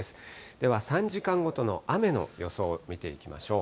では３時間ごとの雨の予想を見ていきましょう。